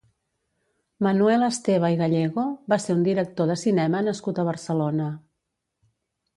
Manuel Esteba i Gallego va ser un director de cinema nascut a Barcelona.